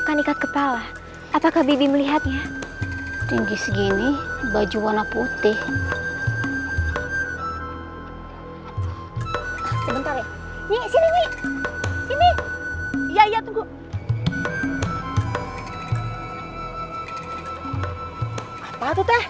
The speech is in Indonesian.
apa tuh teh